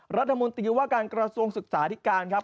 รัฐมนตรีว่าการกระทรวงศึกษาที่การครับ